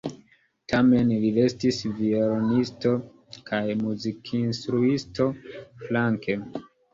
Tamen li restis violonisto kaj muzikinstruisto flanke.